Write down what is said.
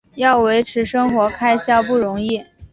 要维持生活开销不容易